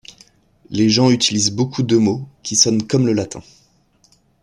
Les gens utilisent beaucoup de mots qui sonnent comme le latin.